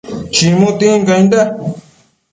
chimu tincainda